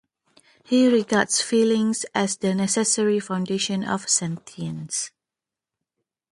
He regards feelings as the necessary foundation of sentience.